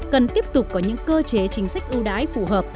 cần tiếp tục có những cơ chế chính sách ưu đãi phù hợp